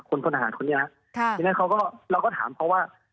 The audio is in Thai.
คุณหาคุณนี้ที่นั้นเราก็ถามเขาว่า